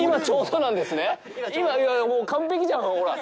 今、もう完璧じゃん、ほら！